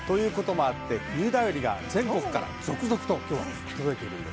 冬便りが全国から続々と届いています。